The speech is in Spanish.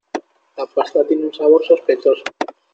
La pasta tiene un sabor sospechoso.